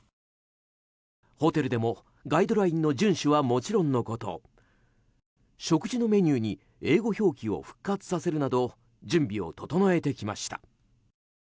ホテルでもガイドラインの順守はもちろんのこと食事のメニューに英語表記を復活させるなど準備を整えてきました。